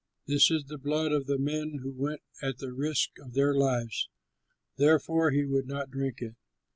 This is the blood of the men who went at the risk of their lives." Therefore he would not drink it.